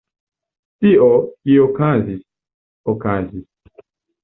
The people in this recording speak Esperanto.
Tio, kio okazis, okazis.